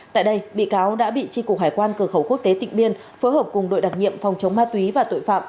tại đây bị cáo đã bị tri cục hải quan cửa khẩu quốc tế tịnh biên phối hợp cùng đội đặc nhiệm phòng chống ma túy và tội phạm